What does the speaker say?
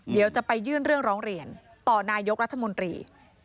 เดี๋ยวจะไปยื่นเรื่องร้องเรียนต่อนายกรัฐมนตรี